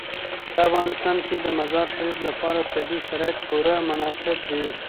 په افغانستان کې د مزارشریف لپاره طبیعي شرایط پوره مناسب دي.